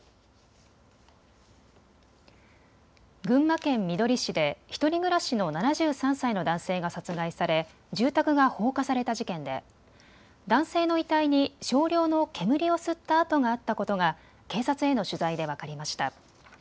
群馬県みどり市で１人暮らしの７３歳の男性が殺害され住宅が放火された事件で男性の遺体に少量の煙を吸った痕があったことが警察への取材で分かりました。